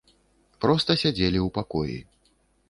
Проста сядзелі ў пакоі.